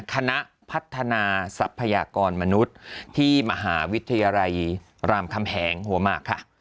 คณะพัฒนาทรัพยากรมนุษย์ที่มหาวิทยาลัยรามคำแหงหัวหมากค่ะ